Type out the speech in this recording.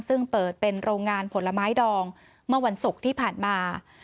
ซึ่งเปิดเป็นโรงงานผลไม้ดองเมื่อวันศุกร์ที่ผ่านมา